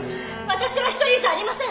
私は一人じゃありません！